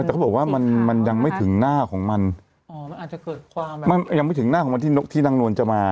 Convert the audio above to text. แต่เขาบอกว่ามันมันยังไม่ถึงหน้าของมันอ๋อมันอาจจะเกิดความไม่ยังไม่ถึงหน้าของวันที่นกที่นางนวลจะมา